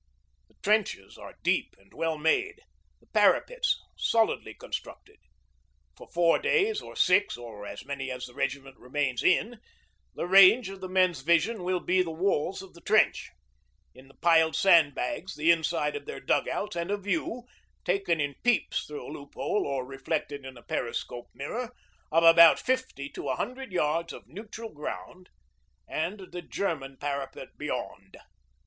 The trenches are deep and well made, the parapets solidly constructed. For four days or six, or as many as the regiment remains 'in,' the range of the men's vision will be the walls of the trench, the piled sandbags, the inside of their dug outs, and a view (taken in peeps through a loophole or reflected in a periscope mirror) of about fifty to a hundred yards of 'neutral ground' and the German parapet beyond.